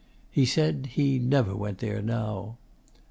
He said he never went there now.